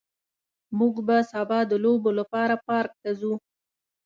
موږ به سبا د لوبو لپاره پارک ته ځو